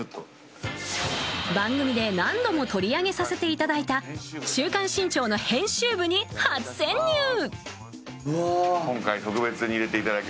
番組で何度も取り上げさせていただいた「週刊新潮」の編集部に初潜入！